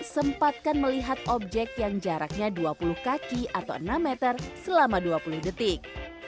sempatkan melihat objek yang jaraknya dua puluh kaki atau enam meter selama dua puluh detik